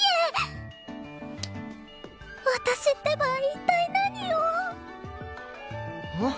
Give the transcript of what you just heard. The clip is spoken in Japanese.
私ってば一体何をん？